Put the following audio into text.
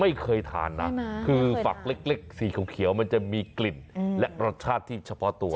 ไม่เคยทานนะคือฝักเล็กสีเขียวมันจะมีกลิ่นและรสชาติที่เฉพาะตัว